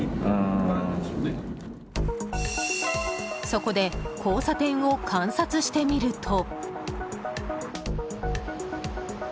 そこで交差点を観察してみると。